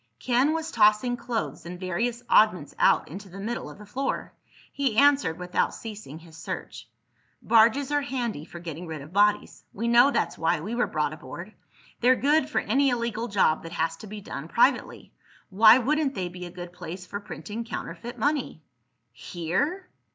Ken was tossing clothes and various oddments out into the middle of the floor. He answered without ceasing his search. "Barges are handy for getting rid of bodies. We know that's why we were brought aboard. They're good for any illegal job that has to be done privately. Why wouldn't they be a good place for printing counterfeit money?" "Here?"